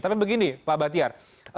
tapi begini pak batiar